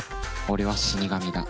俺は死神だ。